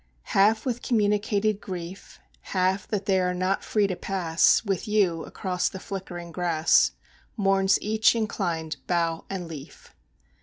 Half with communicated grief, Half that they are not free to pass With you across the flickering grass, Mourns each inclined bough and leaf.